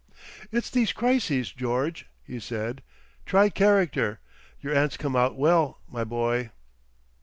"It's these Crises, George," he said, "try Character. Your aunt's come out well, my boy."